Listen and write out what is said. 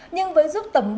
nhưng với ruốc tầm một